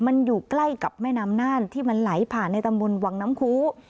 มันอยู่ใกล้กับแม่น้ำน่านที่มันไหลผ่านในตำบลวังน้ำคู